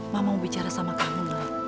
mama mau bicara sama kamu